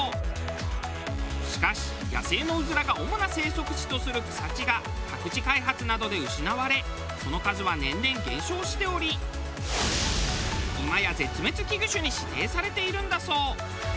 しかし野生のうずらが主な生息地とする草地が宅地開発などで失われその数は年々減少しており今や絶滅危惧種に指定されているんだそう。